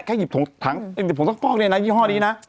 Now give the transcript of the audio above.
แค่หยิบผงสักฟอกเนี่ยนะยี่ห้อนี้นะ